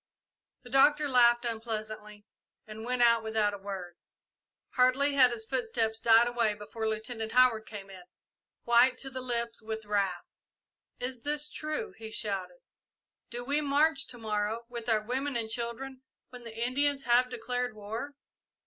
The Doctor laughed unpleasantly, and went out without another word. Hardly had his footsteps died away before Lieutenant Howard came in, white to the lips with wrath. "Is this true?" he shouted. "Do we march to morrow, with our women and children, when the Indians have declared war?"